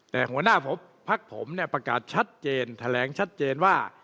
แต่หัวหน้าภักดิ์ผมเนี่ยประกาศชัดเจนแถลงชัดเจนว่า